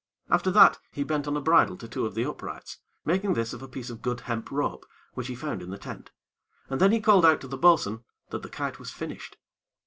After that he bent on a bridle to two of the uprights, making this of a piece of good hemp rope which he found in the tent, and then he called out to the bo'sun that the kite was finished.